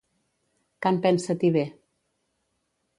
Can Pensa-t'hi bé.